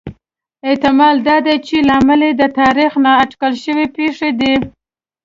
احتمال دا دی چې لامل یې د تاریخ نا اټکل شوې پېښې دي